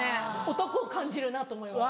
男を感じるなと思います。